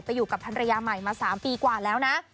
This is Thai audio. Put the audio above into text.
อยู่กับภรรยาใหม่มา๓ปีกว่าแล้วนะ